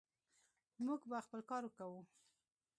موږ به خپل کار کوو.